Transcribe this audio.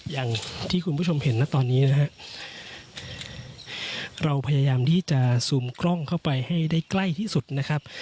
อย่างที่คุณผู้ชมเห็นนะตอนนี้นะฮะเราพยายามที่จะซูมกล้องเข้าไปให้ได้ใกล้ที่สุดนะครับ